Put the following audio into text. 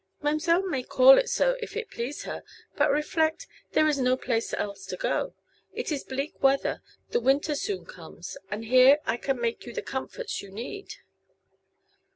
"Ma'm'selle may call it so, if it please her. But reflect; there is no place else to go. It is bleak weather, the winter soon comes. And here I can make you the comforts you need."